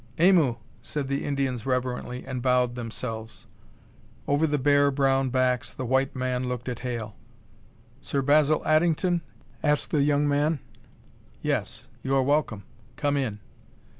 "Aimu!" said the Indians reverently, and bowed themselves. Over the bare, brown backs, the white man looked at Hale. "Sir Basil Addington?" asked the young man. "Yes. You are welcome. Come in."